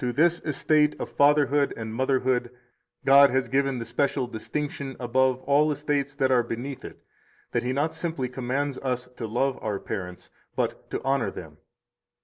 105 To this estate of fatherhood and motherhood God has given the special distinction above all estates that are beneath it that He not simply commands us to love our parents, but to honor them.